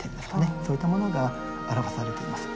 そういったものが表されています。